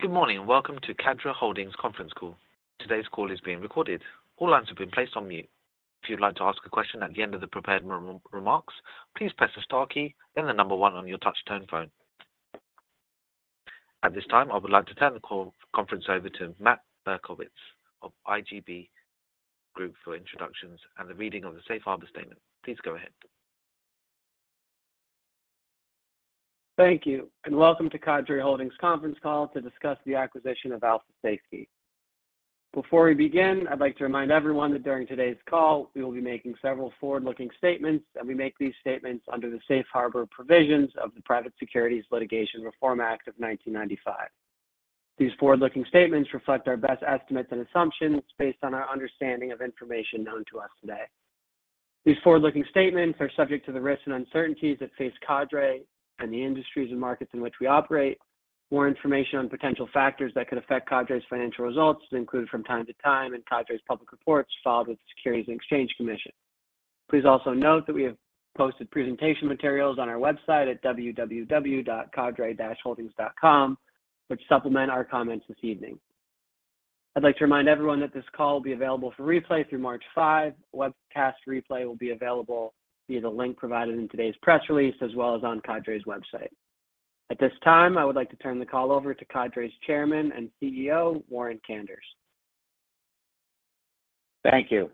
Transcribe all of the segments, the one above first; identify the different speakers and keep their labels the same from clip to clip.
Speaker 1: Good morning and welcome to Cadre Holdings conference call. Today's call is being recorded. All lines have been placed on mute. If you'd like to ask a question at the end of the prepared remarks, please press the star key, then the number one on your touch-tone phone. At this time, I would like to turn the conference over to Matt Berkowitz of The IGB Group for introductions and the reading of the Safe Harbor Statement. Please go ahead.
Speaker 2: Thank you, and welcome to Cadre Holdings conference call to discuss the acquisition of Alpha Safety. Before we begin, I'd like to remind everyone that during today's call we will be making several forward-looking statements, and we make these statements under the Safe Harbor provisions of the Private Securities Litigation Reform Act of 1995. These forward-looking statements reflect our best estimates and assumptions based on our understanding of information known to us today. These forward-looking statements are subject to the risks and uncertainties that face Cadre and the industries and markets in which we operate. More information on potential factors that could affect Cadre's financial results is included from time to time in Cadre's public reports filed with the Securities and Exchange Commission. Please also note that we have posted presentation materials on our website at www.cadre-holdings.com, which supplement our comments this evening. I'd like to remind everyone that this call will be available for replay through March 5. Webcast replay will be available via the link provided in today's press release, as well as on Cadre's website. At this time, I would like to turn the call over to Cadre's Chairman and CEO, Warren Kanders.
Speaker 3: Thank you.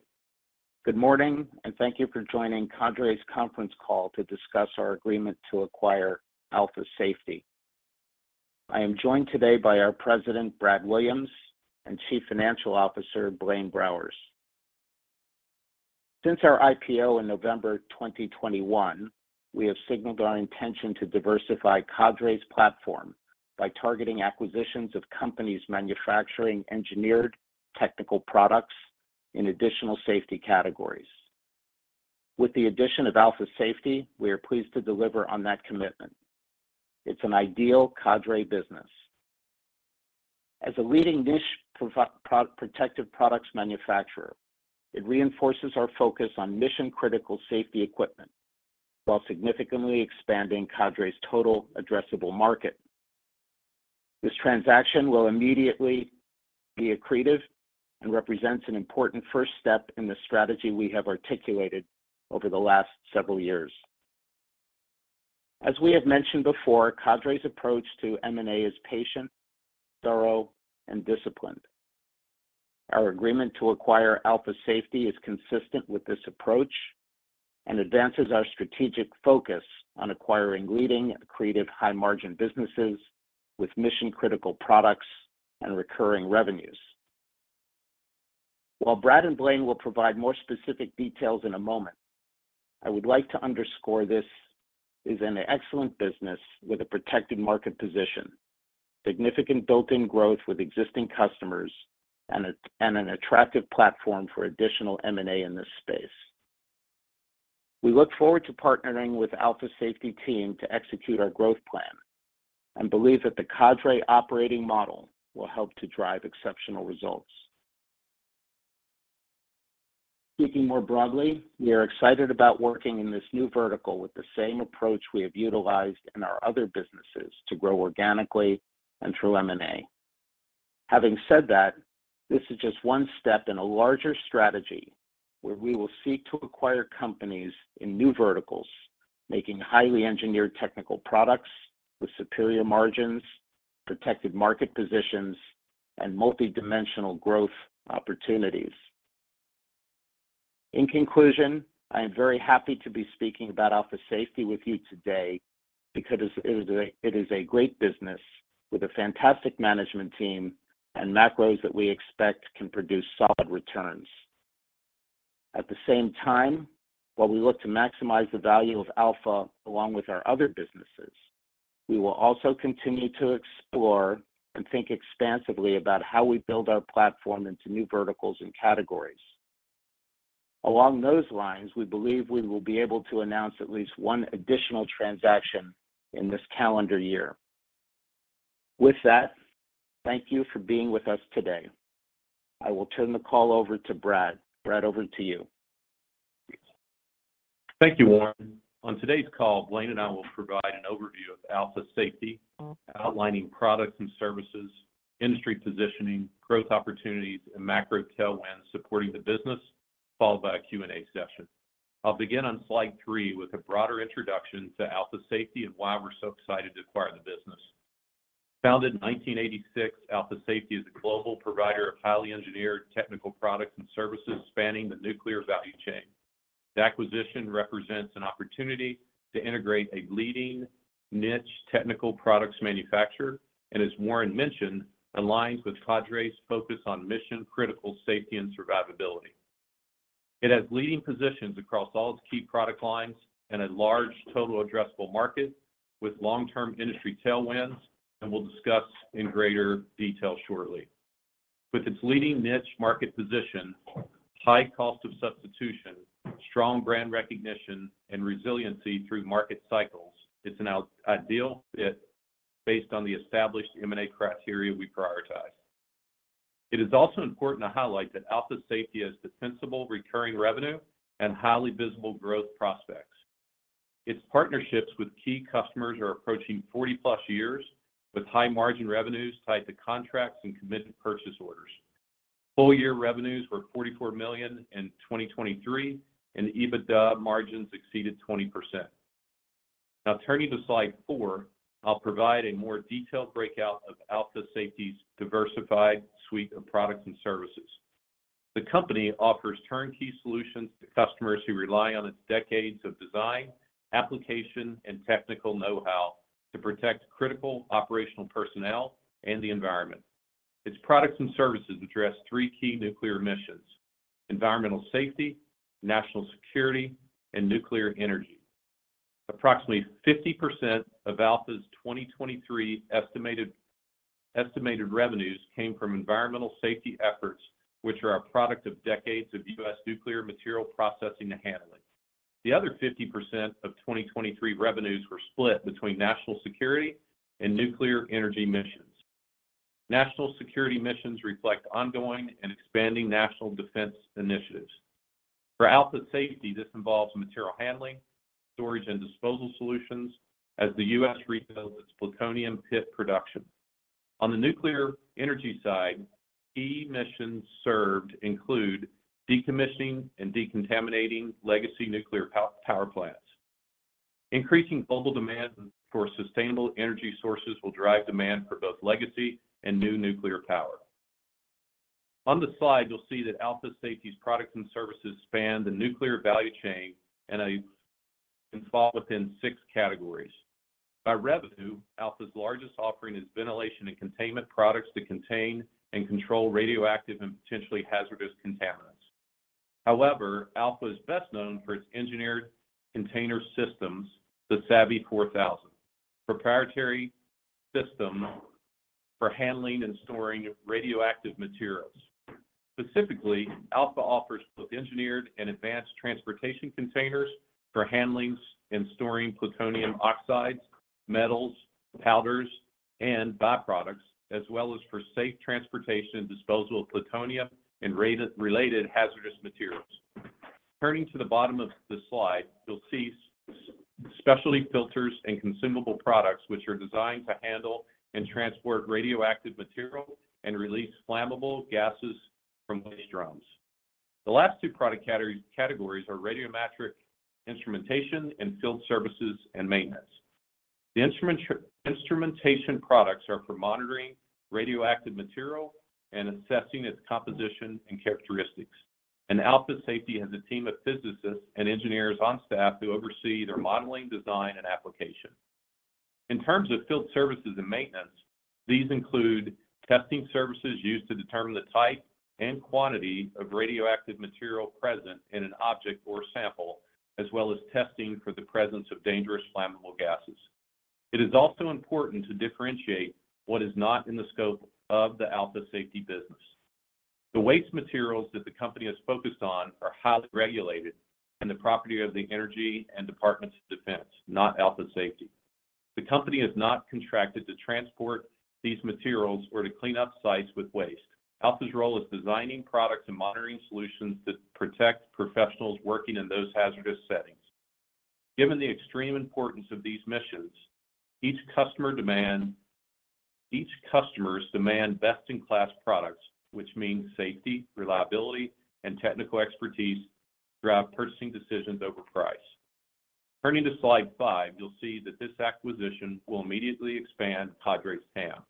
Speaker 3: Good morning, and thank you for joining Cadre's conference call to discuss our agreement to acquire Alpha Safety. I am joined today by our President, Brad Williams, and Chief Financial Officer, Blaine Browers. Since our IPO in November 2021, we have signaled our intention to diversify Cadre's platform by targeting acquisitions of companies manufacturing engineered technical products in additional safety categories. With the addition of Alpha Safety, we are pleased to deliver on that commitment. It's an ideal Cadre business. As a leading niche protective products manufacturer, it reinforces our focus on mission-critical safety equipment while significantly expanding Cadre's Total Addressable Market. This transaction will immediately be accretive and represents an important first step in the strategy we have articulated over the last several years. As we have mentioned before, Cadre's approach to M&A is patient, thorough, and disciplined. Our agreement to acquire Alpha Safety is consistent with this approach and advances our strategic focus on acquiring leading, accretive, high-margin businesses with mission-critical products and recurring revenues. While Brad and Blaine will provide more specific details in a moment, I would like to underscore this is an excellent business with a protected market position, significant built-in growth with existing customers, and an attractive platform for additional M&A in this space. We look forward to partnering with Alpha Safety's team to execute our growth plan and believe that the Cadre operating model will help to drive exceptional results. Speaking more broadly, we are excited about working in this new vertical with the same approach we have utilized in our other businesses to grow organically and through M&A. Having said that, this is just one step in a larger strategy where we will seek to acquire companies in new verticals, making highly engineered technical products with superior margins, protected market positions, and multidimensional growth opportunities. In conclusion, I am very happy to be speaking about Alpha Safety with you today because it is a great business with a fantastic management team and macros that we expect can produce solid returns. At the same time, while we look to maximize the value of Alpha along with our other businesses, we will also continue to explore and think expansively about how we build our platform into new verticals and categories. Along those lines, we believe we will be able to announce at least one additional transaction in this calendar year. With that, thank you for being with us today. I will turn the call over to Brad. Brad, over to you.
Speaker 4: Thank you, Warren. On today's call, Blaine and I will provide an overview of Alpha Safety, outlining products and services, industry positioning, growth opportunities, and macro tailwinds supporting the business, followed by a Q&A session. I'll begin on slide three with a broader introduction to Alpha Safety and why we're so excited to acquire the business. Founded in 1986, Alpha Safety is a global provider of highly engineered technical products and services spanning the nuclear value chain. The acquisition represents an opportunity to integrate a leading niche technical products manufacturer and, as Warren mentioned, aligns with Cadre's focus on mission-critical safety and survivability. It has leading positions across all its key product lines and a large total addressable market with long-term industry tailwinds, and we'll discuss in greater detail shortly. With its leading niche market position, high cost of substitution, strong brand recognition, and resiliency through market cycles, it's an ideal fit based on the established M&A criteria we prioritize. It is also important to highlight that Alpha Safety has defensible recurring revenue and highly visible growth prospects. Its partnerships with key customers are approaching 40+ years with high-margin revenues tied to contracts and committed purchase orders. Full-year revenues were $44 million in 2023, and EBITDA margins exceeded 20%. Now, turning to slide four, I'll provide a more detailed breakout of Alpha Safety's diversified suite of products and services. The company offers turnkey solutions to customers who rely on its decades of design, application, and technical know-how to protect critical operational personnel and the environment. Its products and services address three key nuclear missions: environmental safety, national security, and nuclear energy. Approximately 50% of Alpha's 2023 estimated revenues came from environmental safety efforts, which are a product of decades of U.S. nuclear material processing and handling. The other 50% of 2023 revenues were split between national security and nuclear energy missions. National security missions reflect ongoing and expanding national defense initiatives. For Alpha Safety, this involves material handling, storage, and disposal solutions as the U.S. rebuilds its plutonium pit production. On the nuclear energy side, key missions served include decommissioning and decontaminating legacy nuclear power plants. Increasing global demand for sustainable energy sources will drive demand for both legacy and new nuclear power. On the slide, you'll see that Alpha Safety's products and services span the nuclear value chain and fall within six categories. By revenue, Alpha's largest offering is ventilation and containment products to contain and control radioactive and potentially hazardous contaminants. However, Alpha is best known for its engineered container systems, the SAVY-4000, proprietary system for handling and storing radioactive materials. Specifically, Alpha offers both engineered and advanced transportation containers for handling and storing plutonium oxides, metals, powders, and byproducts, as well as for safe transportation and disposal of plutonium and related hazardous materials. Turning to the bottom of the slide, you'll see specialty filters and consumable products, which are designed to handle and transport radioactive material and release flammable gases from waste drums. The last two product categories are radiometric instrumentation and field services and maintenance. The instrumentation products are for monitoring radioactive material and assessing its composition and characteristics, and Alpha Safety has a team of physicists and engineers on staff who oversee their modeling, design, and application. In terms of field services and maintenance, these include testing services used to determine the type and quantity of radioactive material present in an object or sample, as well as testing for the presence of dangerous flammable gases. It is also important to differentiate what is not in the scope of the Alpha Safety business. The waste materials that the company has focused on are highly regulated and the property of the Department of Energy and Department of Defense, not Alpha Safety. The company is not contracted to transport these materials or to clean up sites with waste. Alpha's role is designing products and monitoring solutions to protect professionals working in those hazardous settings. Given the extreme importance of these missions, each customer's demand best-in-class products, which means safety, reliability, and technical expertise, drive purchasing decisions over price. Turning to slide five, you'll see that this acquisition will immediately expand Cadre's TAM,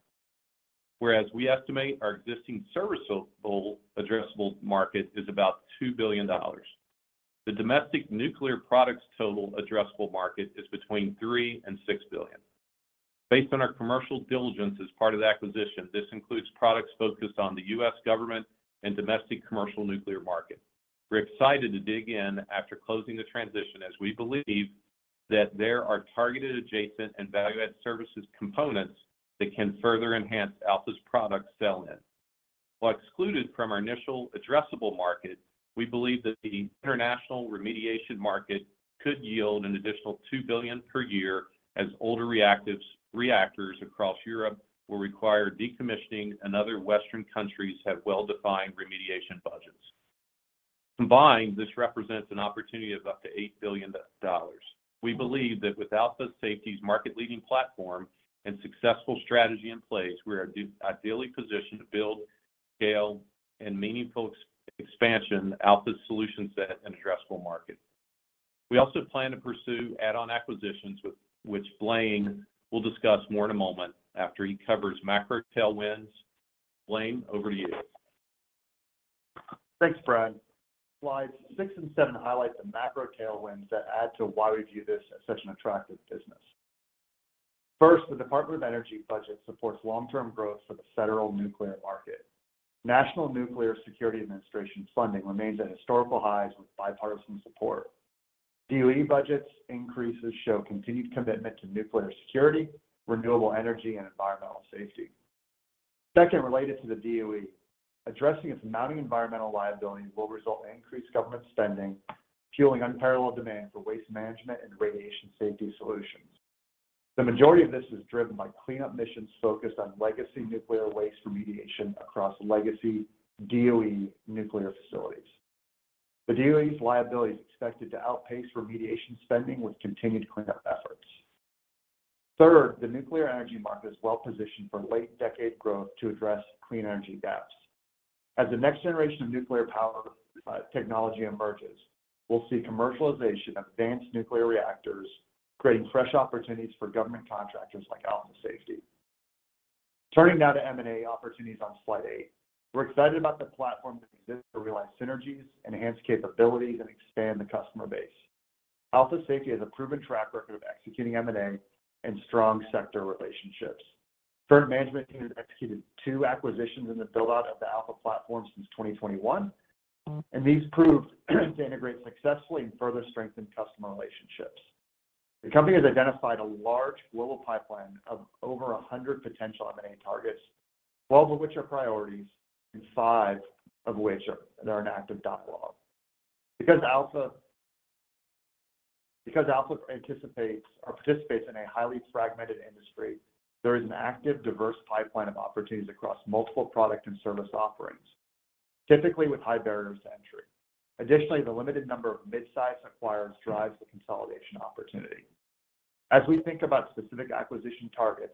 Speaker 4: whereas we estimate our existing serviceable addressable market is about $2 billion. The domestic nuclear products total addressable market is between $3 billion and $6 billion. Based on our commercial diligence as part of the acquisition, this includes products focused on the U.S. government and domestic commercial nuclear market. We're excited to dig in after closing the transition as we believe that there are targeted adjacent and value-added services components that can further enhance Alpha's product sell-in. While excluded from our initial addressable market, we believe that the international remediation market could yield an additional $2 billion per year as older reactors across Europe will require decommissioning and other Western countries have well-defined remediation budgets. Combined, this represents an opportunity of up to $8 billion. We believe that with Alpha Safety's market-leading platform and successful strategy in place, we are ideally positioned to build, scale, and meaningful expansion to Alpha's solution set and addressable market. We also plan to pursue add-on acquisitions, which Blaine will discuss more in a moment after he covers macro tailwinds. Blaine, over to you.
Speaker 5: Thanks, Brad. Slides six and seven highlight the macro tailwinds that add to why we view this as such an attractive business. First, the Department of Energy budget supports long-term growth for the federal nuclear market. National Nuclear Security Administration funding remains at historical highs with bipartisan support. DOE budget increases show continued commitment to nuclear security, renewable energy, and environmental safety. Second, related to the DOE, addressing its mounting environmental liability will result in increased government spending fueling unparalleled demand for waste management and radiation safety solutions. The majority of this is driven by cleanup missions focused on legacy nuclear waste remediation across legacy DOE nuclear facilities. The DOE's liability is expected to outpace remediation spending with continued cleanup efforts. Third, the nuclear energy market is well-positioned for late-decade growth to address clean energy gaps. As the next generation of nuclear power technology emerges, we'll see commercialization of advanced nuclear reactors creating fresh opportunities for government contractors like Alpha Safety. Turning now to M&A opportunities on slide eight, we're excited about the platform that exists to realize synergies, enhance capabilities, and expand the customer base. Alpha Safety has a proven track record of executing M&A and strong sector relationships. Current management team has executed two acquisitions in the build-out of the Alpha platform since 2021, and these proved to integrate successfully and further strengthen customer relationships. The company has identified a large global pipeline of over 100 potential M&A targets, 12 of which are priorities and five of which are an active dialogue. Because Alpha participates in a highly fragmented industry, there is an active, diverse pipeline of opportunities across multiple product and service offerings, typically with high barriers to entry. Additionally, the limited number of midsize acquirers drives the consolidation opportunity. As we think about specific acquisition targets,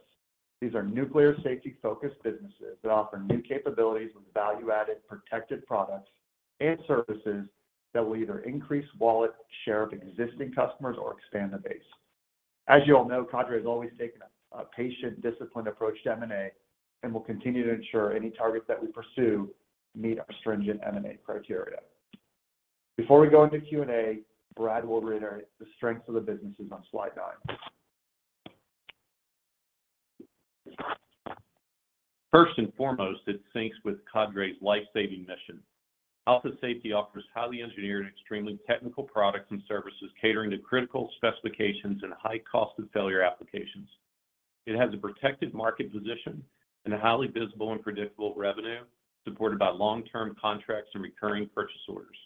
Speaker 5: these are nuclear safety-focused businesses that offer new capabilities with value-added protected products and services that will either increase wallet share of existing customers or expand the base. As you all know, Cadre has always taken a patient, disciplined approach to M&A and will continue to ensure any targets that we pursue meet our stringent M&A criteria. Before we go into Q&A, Brad will reiterate the strengths of the businesses on slide nine.
Speaker 4: First and foremost, it syncs with Cadre's lifesaving mission. Alpha Safety offers highly engineered and extremely technical products and services catering to critical specifications and high-cost-of-failure applications. It has a protected market position and highly visible and predictable revenue supported by long-term contracts and recurring purchase orders.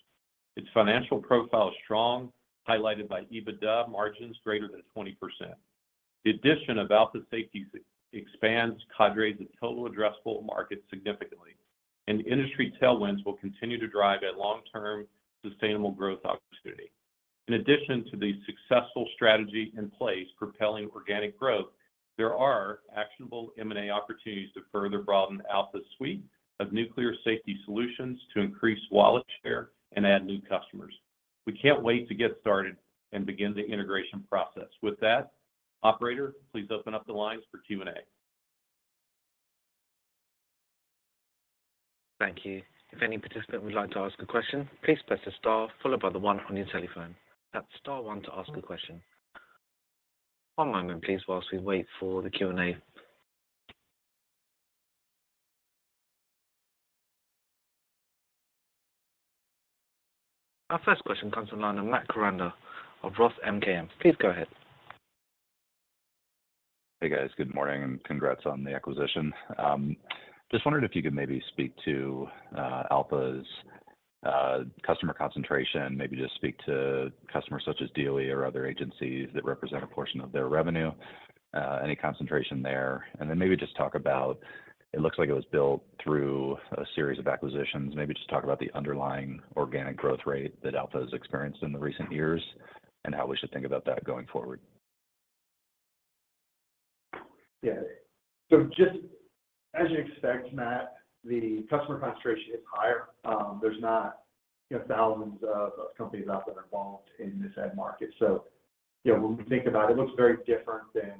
Speaker 4: Its financial profile is strong, highlighted by EBITDA margins greater than 20%. The addition of Alpha Safety expands Cadre's total addressable market significantly, and industry tailwinds will continue to drive a long-term sustainable growth opportunity. In addition to the successful strategy in place propelling organic growth, there are actionable M&A opportunities to further broaden Alpha's suite of nuclear safety solutions to increase wallet share and add new customers. We can't wait to get started and begin the integration process. With that, operator, please open up the lines for Q&A.
Speaker 1: Thank you. If any participant would like to ask a question, please press the star followed by the one on your telephone. That's star one to ask a question. One moment, please, while we wait for the Q&A. Our first question comes in line of Matt Koranda of Roth MKM. Please go ahead.
Speaker 6: Hey, guys. Good morning and congrats on the acquisition. Just wondered if you could maybe speak to Alpha's customer concentration, maybe just speak to customers such as DOE or other agencies that represent a portion of their revenue, any concentration there, and then maybe just talk about it looks like it was built through a series of acquisitions. Maybe just talk about the underlying organic growth rate that Alpha has experienced in the recent years and how we should think about that going forward.
Speaker 5: Yeah. So just as you expect, Matt, the customer concentration is higher. There's not thousands of companies out there involved in this end market. So when we think about it, it looks very different than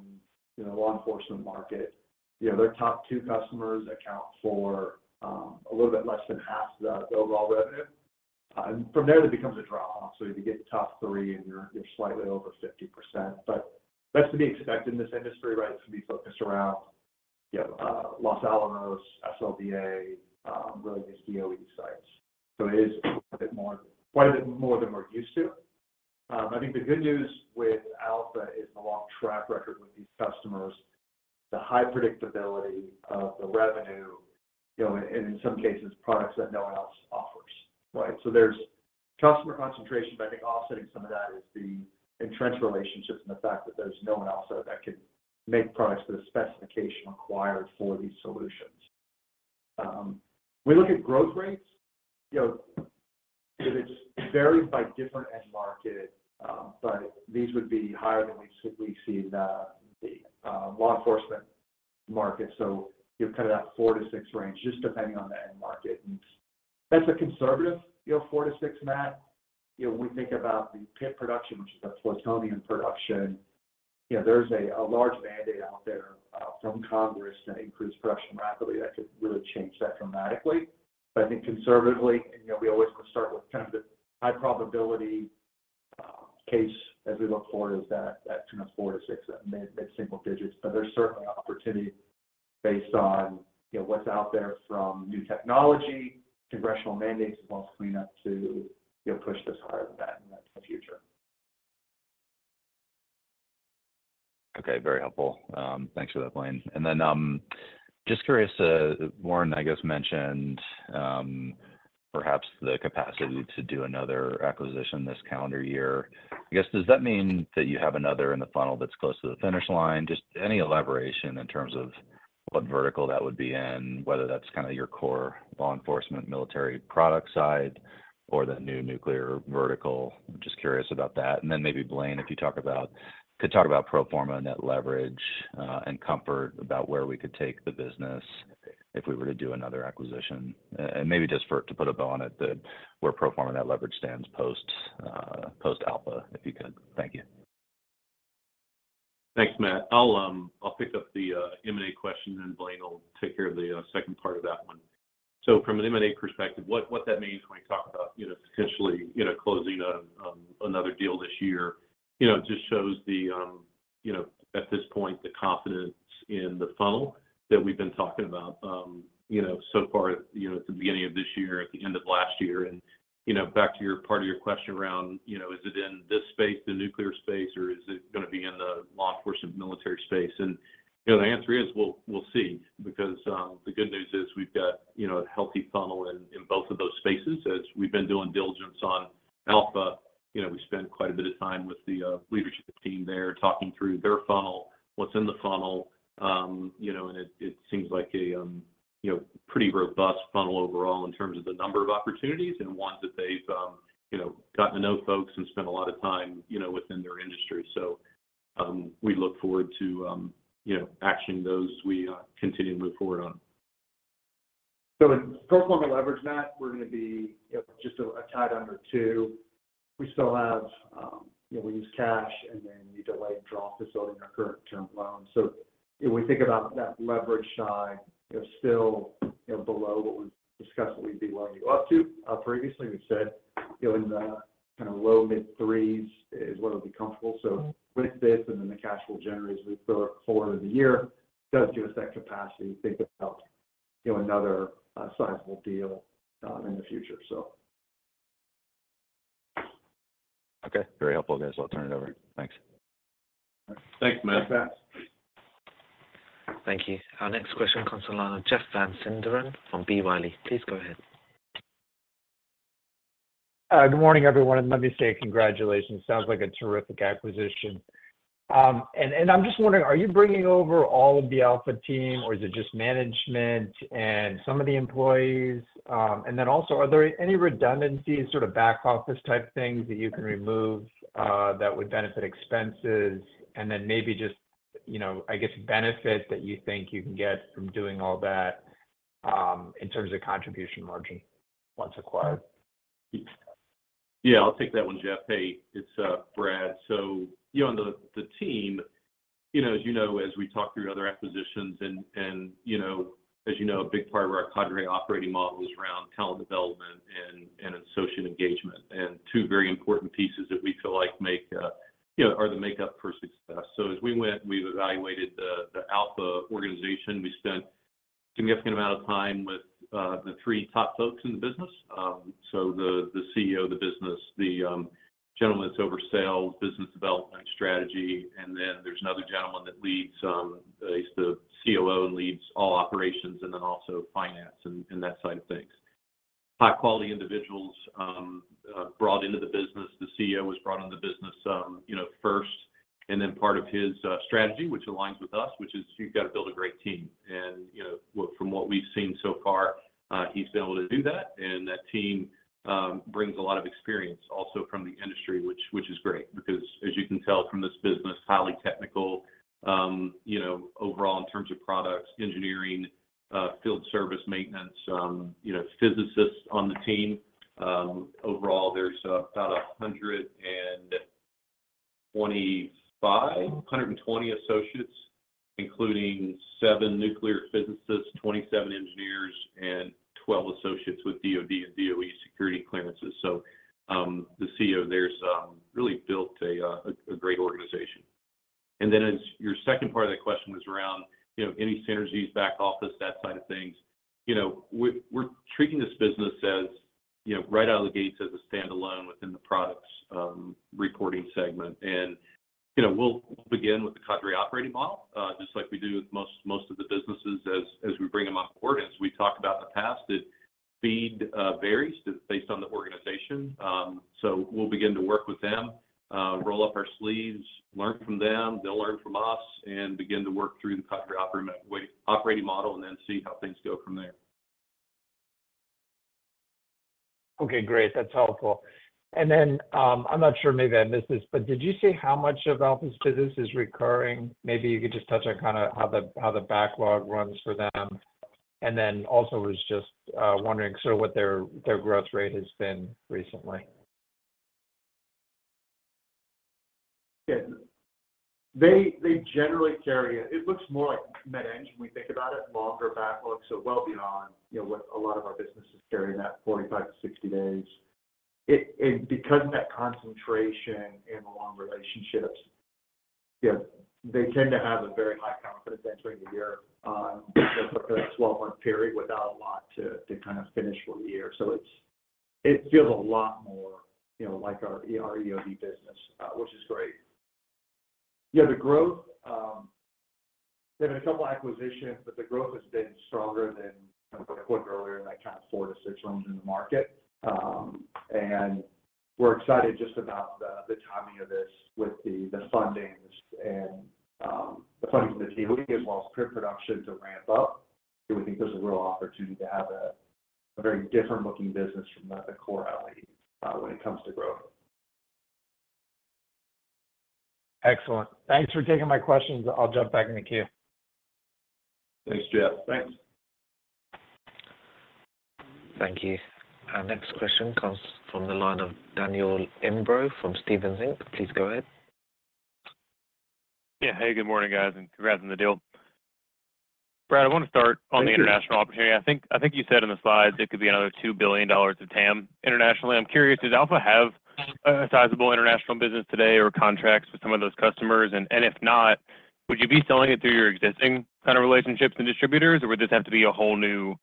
Speaker 5: the law enforcement market. Their top two customers account for a little bit less than 1/2 the overall revenue. And from there, it becomes a draw-off. So you get the top three, and you're slightly over 50%. But that's to be expected in this industry, right? It's going to be focused around Los Alamos, SRS, really just DOE sites. So it is quite a bit more than we're used to. I think the good news with Alpha is the long track record with these customers, the high predictability of the revenue, and in some cases, products that no one else offers, right? So there's customer concentration, but I think offsetting some of that is the entrenched relationships and the fact that there's no one else that can make products to the specification required for these solutions. When we look at growth rates, it varies by different end markets, but these would be higher than we see in the law enforcement market. So kind of that four-six range, just depending on the end market. And that's a conservative four-six, Matt. When we think about the pit production, which is the plutonium production, there's a large mandate out there from Congress to increase production rapidly that could really change that dramatically. But I think conservatively, and we always want to start with kind of the high probability case as we look forward is that kind of four-six, that mid-single digits. There's certainly opportunity based on what's out there from new technology, congressional mandates, as well as cleanup to push this higher than that in the future.
Speaker 6: Okay. Very helpful. Thanks for that, Blaine. And then just curious, Warren, I guess mentioned perhaps the capacity to do another acquisition this calendar year. I guess, does that mean that you have another in the funnel that's close to the finish line? Just any elaboration in terms of what vertical that would be in, whether that's kind of your core law enforcement military product side or the new nuclear vertical. Just curious about that. And then maybe, Blaine, if you could talk about pro forma and that leverage and comfort about where we could take the business if we were to do another acquisition. And maybe just to put a bow on it, where pro forma and that leverage stands post Alpha, if you could. Thank you.
Speaker 4: Thanks, Matt. I'll pick up the M&A question, and Blaine will take care of the second part of that one. So from an M&A perspective, what that means when we talk about potentially closing another deal this year just shows at this point the confidence in the funnel that we've been talking about so far at the beginning of this year, at the end of last year. And back to part of your question around, is it in this space, the nuclear space, or is it going to be in the law enforcement military space? And the answer is, we'll see because the good news is we've got a healthy funnel in both of those spaces. As we've been doing diligence on Alpha, we spend quite a bit of time with the leadership team there talking through their funnel, what's in the funnel. It seems like a pretty robust funnel overall in terms of the number of opportunities and ones that they've gotten to know folks and spent a lot of time within their industry. We look forward to actioning those as we continue to move forward on it.
Speaker 5: So with pro forma leverage, Matt, we're going to be just a tad under two. We still have. We use cash, and then we delayed draw facility in our current term loan. So when we think about that leverage side, still below what we discussed we'd be willing to go up to previously, we've said in the kind of low-mid threes is where we'd be comfortable. So with this and then the cash we'll generate as we go forward in the year does give us that capacity to think about another sizable deal in the future, so.
Speaker 6: Okay. Very helpful, guys. I'll turn it over. Thanks.
Speaker 4: Thanks, Matt.
Speaker 5: Thanks, Matt.
Speaker 1: Thank you. Our next question comes in line of Jeff Van Sinderen from B. Riley. Please go ahead.
Speaker 7: Good morning, everyone. Let me say congratulations. Sounds like a terrific acquisition. I'm just wondering, are you bringing over all of the Alpha team, or is it just management and some of the employees? Then also, are there any redundancies, sort of back office type things that you can remove that would benefit expenses? Then maybe just, I guess, benefit that you think you can get from doing all that in terms of contribution margin once acquired.
Speaker 4: Yeah. I'll take that one, Jeff. Hey, it's Brad. So on the team, as you know, as we talk through other acquisitions and as you know, a big part of our Cadre operating model is around talent development and associate engagement. And two very important pieces that we feel like are the makeup for success. So as we went, we've evaluated the Alpha organization. We spent a significant amount of time with the three top folks in the business. So the CEO of the business, the gentleman that's over sales, business development, strategy, and then there's another gentleman that leads. He's the COO and leads all operations and then also finance and that side of things. High-quality individuals brought into the business. The CEO was brought into the business first. And then part of his strategy, which aligns with us, which is you've got to build a great team. From what we've seen so far, he's been able to do that. That team brings a lot of experience also from the industry, which is great because, as you can tell from this business, highly technical overall in terms of products, engineering, field service maintenance, physicists on the team. Overall, there's about 125 associates, including seven nuclear physicists, 27 engineers, and 12 associates with DoD and DOE security clearances. So the CEO there's really built a great organization. Then as your second part of that question was around any synergies, back office, that side of things, we're treating this business right out of the gates as a standalone within the products reporting segment. We'll begin with the Cadre operating model just like we do with most of the businesses as we bring them on board. As we talked about in the past, the feed varies based on the organization. We'll begin to work with them, roll up our sleeves, learn from them. They'll learn from us and begin to work through the Cadre operating model and then see how things go from there.
Speaker 7: Okay. Great. That's helpful. And then I'm not sure maybe I missed this, but did you see how much of Alpha's business is recurring? Maybe you could just touch on kind of how the backlog runs for them. And then also, I was just wondering sort of what their growth rate has been recently?
Speaker 5: Yeah. They generally carry it. It looks more like Med-Eng when we think about it, longer backlog, so well beyond what a lot of our businesses carry in that 45-60 days. And because of that concentration and the long relationships, they tend to have a very high confidence entering the year for that 12-month period without a lot to kind of finish for the year. So it feels a lot more like our EOD business, which is great. Yeah. The growth, they've had a couple of acquisitions, but the growth has been stronger than what I put earlier in that kind of four-six range in the market. And we're excited just about the timing of this with the funding and the funding from the DOE as well as pit production to ramp up. We think there's a real opportunity to have a very different-looking business from the Core LE when it comes to growth.
Speaker 7: Excellent. Thanks for taking my questions. I'll jump back in the queue.
Speaker 4: Thanks, Jeff. Thanks.
Speaker 1: Thank you. Our next question comes from the line of Daniel Imbro from Stephens Inc. Please go ahead.
Speaker 8: Yeah. Hey. Good morning, guys, and congrats on the deal. Brad, I want to start on the international opportunity. I think you said in the slides it could be another $2 billion of TAM internationally. I'm curious, does Alpha have a sizable international business today or contracts with some of those customers? And if not, would you be selling it through your existing kind of relationships and distributors, or would this have to be a whole new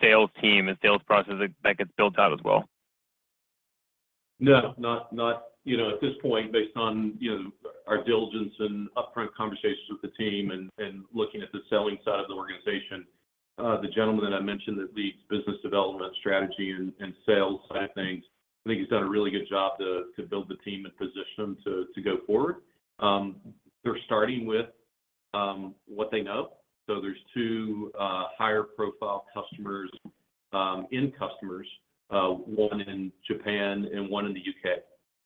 Speaker 8: sales team and sales process that gets built out as well?
Speaker 4: No. Not at this point, based on our diligence and upfront conversations with the team and looking at the selling side of the organization. The gentleman that I mentioned that leads business development, strategy, and sales side of things, I think he's done a really good job to build the team and position them to go forward. They're starting with what they know. So there's two higher-profile customers in customers, one in Japan and one in the U.K.,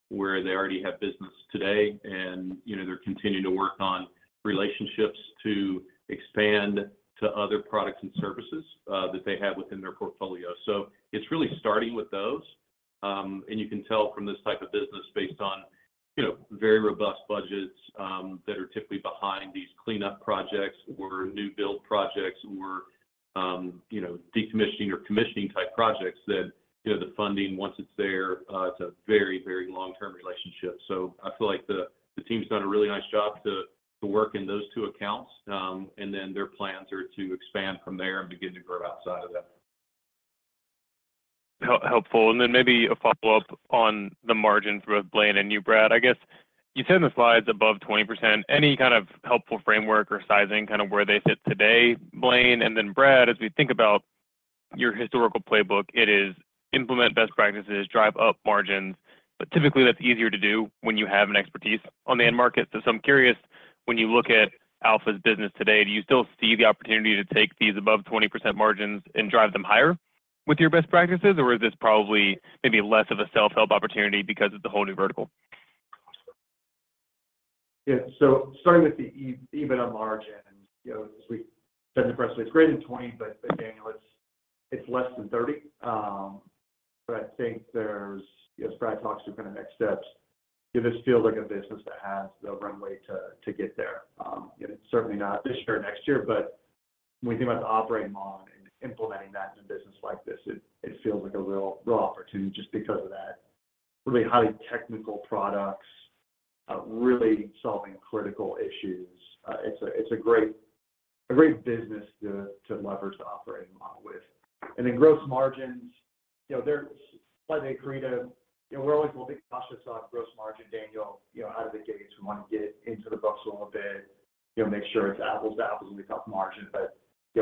Speaker 4: where they already have business today. And they're continuing to work on relationships to expand to other products and services that they have within their portfolio. So it's really starting with those. You can tell from this type of business based on very robust budgets that are typically behind these cleanup projects or new build projects or decommissioning or commissioning type projects that the funding, once it's there, it's a very, very long-term relationship. So I feel like the team's done a really nice job to work in those two accounts. And then their plans are to expand from there and begin to grow outside of that.
Speaker 8: Helpful. And then maybe a follow-up on the margin for both Blaine and you, Brad. I guess you said in the slides above 20%. Any kind of helpful framework or sizing kind of where they sit today, Blaine? And then Brad, as we think about your historical playbook, it is implement best practices, drive up margins. But typically, that's easier to do when you have an expertise on the end market. So I'm curious, when you look at Alpha's business today, do you still see the opportunity to take these above 20% margins and drive them higher with your best practices, or is this probably maybe less of a self-help opportunity because of the whole new vertical?
Speaker 5: Yeah. So starting with the EBITDA margin, as we said in the press release, greater than 20%, but Daniel, it's less than 30%. But I think there's, as Brad talks through kind of next steps, this feels like a business that has the runway to get there. It's certainly not this year or next year. But when we think about the operating model and implementing that in a business like this, it feels like a real opportunity just because of that. Really highly technical products, really solving critical issues. It's a great business to leverage the operating model with. And then gross margins, they're slightly accretive. We're always a little bit cautious on gross margin, Daniel, out of the gates. We want to get into the books a little bit, make sure it's apples to apples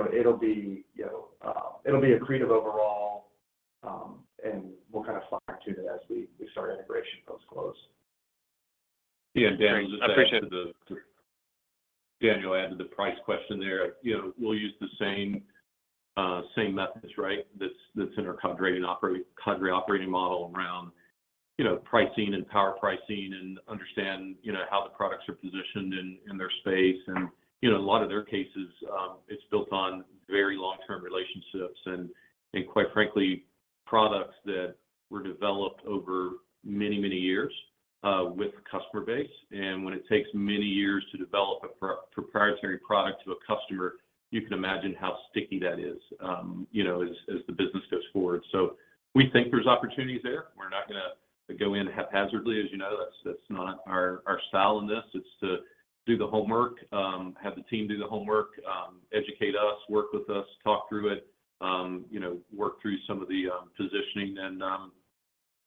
Speaker 5: when we talk margin. It'll be accretive overall, and we'll kind of fine-tune it as we start integration post-close.
Speaker 4: Yeah. Daniel just added the price question there. We'll use the same methods, right, that's in our Cadre operating model around pricing and power pricing and understand how the products are positioned in their space. And in a lot of their cases, it's built on very long-term relationships. And quite frankly, products that were developed over many, many years with customer base. And when it takes many years to develop a proprietary product to a customer, you can imagine how sticky that is as the business goes forward. So we think there's opportunities there. We're not going to go in haphazardly. As you know, that's not our style in this. It's to do the homework, have the team do the homework, educate us, work with us, talk through it, work through some of the positioning, and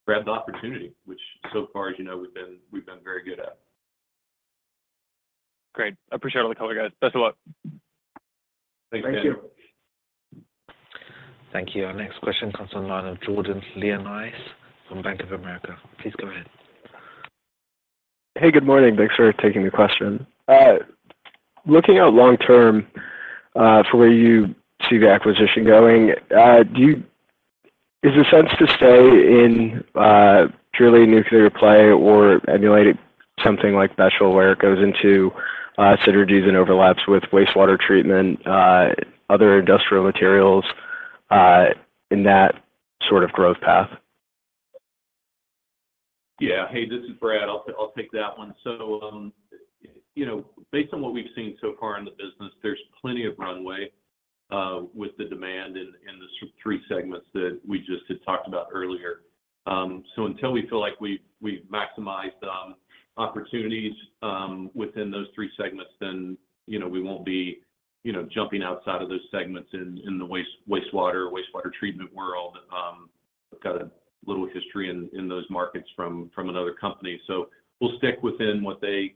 Speaker 4: grab the opportunity, which so far, as you know, we've been very good at.
Speaker 8: Great. Appreciate all the cover, guys. Best of luck.
Speaker 4: Thanks, Daniel.
Speaker 5: Thank you.
Speaker 1: Thank you. Our next question comes on line of Jordan Lyonnais from Bank of America. Please go ahead.
Speaker 9: Hey. Good morning. Thanks for taking the question. Looking out long-term for where you see the acquisition going, is the sense to stay in purely nuclear play or emulate something like Bechtel where it goes into synergies and overlaps with wastewater treatment, other industrial materials in that sort of growth path?
Speaker 4: Yeah. Hey, this is Brad. I'll take that one. So based on what we've seen so far in the business, there's plenty of runway with the demand in the three segments that we just had talked about earlier. So until we feel like we've maximized opportunities within those three segments, then we won't be jumping outside of those segments in the wastewater or wastewater treatment world. We've got a little history in those markets from another company. So we'll stick within what they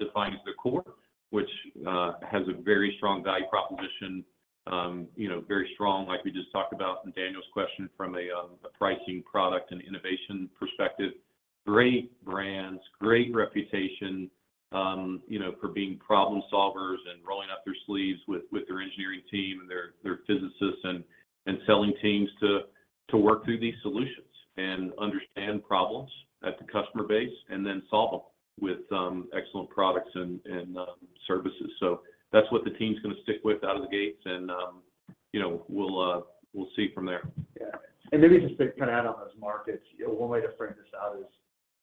Speaker 4: define as the core, which has a very strong value proposition, very strong, like we just talked about in Daniel's question, from a pricing product and innovation perspective. Great brands, great reputation for being problem-solvers and rolling up their sleeves with their engineering team and their physicists and selling teams to work through these solutions and understand problems at the customer base and then solve them with excellent products and services. So that's what the team's going to stick with out of the gates, and we'll see from there.
Speaker 5: Yeah. And maybe just to kind of add on those markets, one way to frame this out is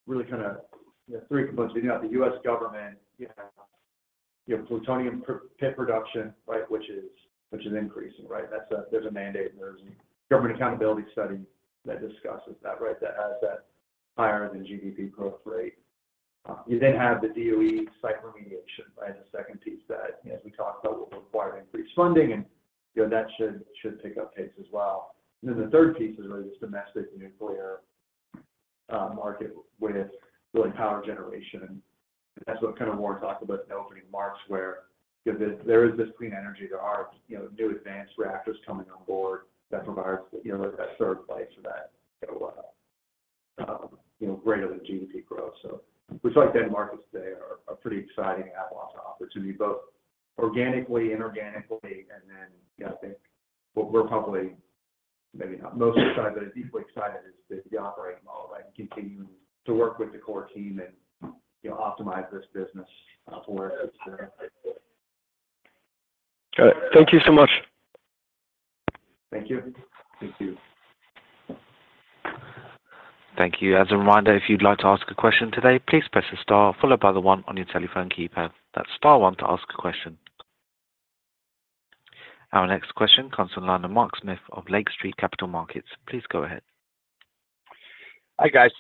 Speaker 5: really kind of three components. You know how the U.S. government, plutonium pit production, right, which is increasing, right? There's a mandate, and there's a government accountability study that discusses that, right, that has that higher-than-GDP growth rate. You then have the DOE site remediation, right, as a second piece that, as we talked about, will require increased funding, and that should pick up pace as well. And then the third piece is really this domestic nuclear market with really power generation. And that's what kind of Warren talked about in the opening remarks where there is this clean energy. There are new advanced reactors coming on board that provide that third place for that greater-than-GDP growth. We feel like end markets today are pretty exciting and have lots of opportunity, both organically, inorganically. Then I think what we're probably maybe not most excited, but deeply excited, is the operating model, right, and continuing to work with the core team and optimize this business to where it's experienced.
Speaker 9: Got it. Thank you so much.
Speaker 5: Thank you.
Speaker 4: Thank you.
Speaker 1: Thank you. As a reminder, if you'd like to ask a question today, please press the star followed by the one on your telephone keypad. That's star one to ask a question. Our next question comes on the line of Mark Smith of Lake Street Capital Markets. Please go ahead.
Speaker 10: Hi, guys.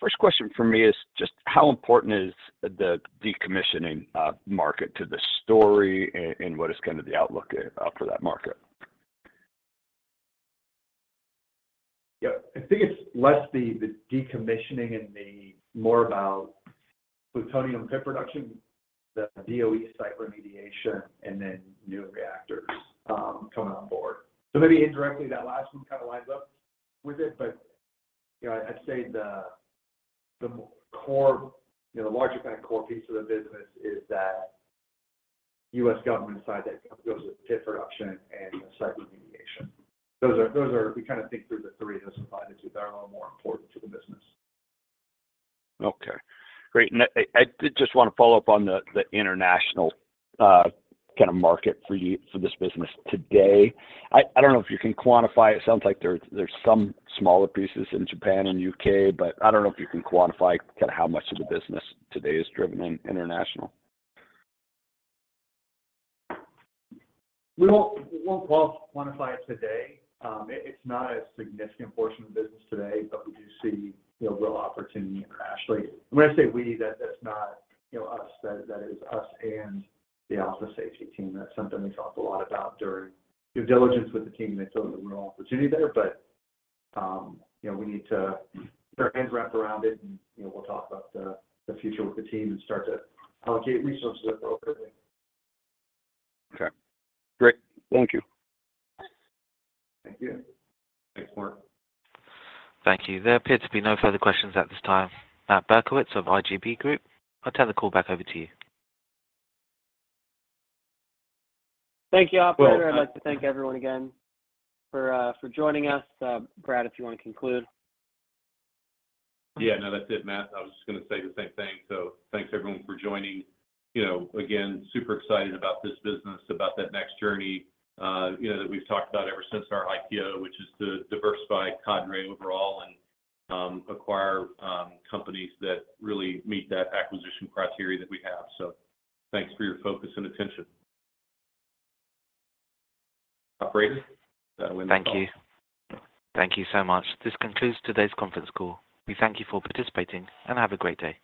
Speaker 10: First question for me is just how important is the decommissioning market to the story and what is kind of the outlook for that market?
Speaker 5: Yeah. I think it's less the decommissioning and more about plutonium pit production, the DOE site remediation, and then new reactors coming on board. So maybe indirectly, that last one kind of lines up with it, but I'd say the larger kind of core piece of the business is that U.S. government side that goes with pit production and site remediation. We kind of think through the three. Those are the five that are a little more important to the business.
Speaker 10: Okay. Great. I did just want to follow up on the international kind of market for this business today. I don't know if you can quantify it. It sounds like there's some smaller pieces in Japan and U.K., but I don't know if you can quantify kind of how much of the business today is driven international.
Speaker 5: We won't quantify it today. It's not a significant portion of the business today, but we do see real opportunity internationally. And when I say we, that's not us. That is us and the Alpha Safety Team. That's something we talked a lot about during diligence with the team, and they feel like a real opportunity there. But we need to get our hands wrapped around it, and we'll talk about the future with the team and start to allocate resources appropriately.
Speaker 10: Okay. Great. Thank you.
Speaker 5: Thank you.
Speaker 4: Thanks, Mark.
Speaker 1: Thank you. There appears to be no further questions at this time. Matt Berkowitz of IGB Group. I'll turn the call back over to you.
Speaker 2: Thank you, operator. I'd like to thank everyone again for joining us. Brad, if you want to conclude.
Speaker 4: Yeah. No, that's it, Matt. I was just going to say the same thing. So thanks, everyone, for joining. Again, super excited about this business, about that next journey that we've talked about ever since our IPO, which is to diversify Cadre overall and acquire companies that really meet that acquisition criteria that we have. So thanks for your focus and attention. Operator? Is that a wrap?
Speaker 1: Thank you. Thank you so much. This concludes today's conference call. We thank you for participating and have a great day.